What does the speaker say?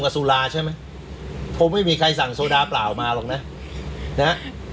สุราใช่ไหมคงไม่มีใครสั่งโซดาเปล่ามาหรอกนะนะฮะ